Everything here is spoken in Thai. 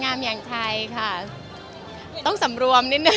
อย่างไทยค่ะต้องสำรวมนิดนึง